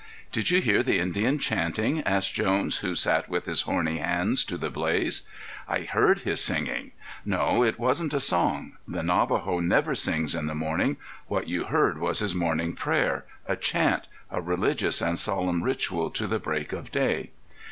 "Did you hear the Indian chanting?" asked Jones, who sat with his horny hands to the blaze. "I heard his singing." "No, it wasn't a song; the Navajo never sings in the morning. What you heard was his morning prayer, a chant, a religious and solemn ritual to the break of day.